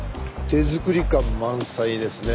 手作り感満載ですね。